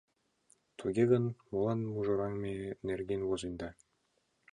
— Туге гын, молан мужыраҥме нерген возенда?